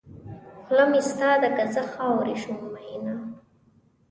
خوله مې ستا ده که زه خاورې شم مینه.